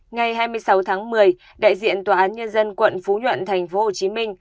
ngày hai mươi sáu tháng một mươi đại diện tòa án nhân dân quận phú nhuận tp hcm